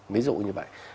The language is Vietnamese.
ví dụ như vậy